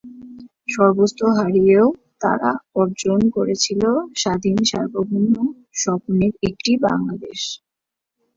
সর্বস্ব হারিয়েও তারা অর্জন করেছিল স্বাধীন সার্বভৌম স্বপ্নের একটি বাংলাদেশ।